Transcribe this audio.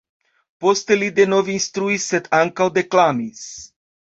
Poste li denove instruis, sed ankaŭ deklamis.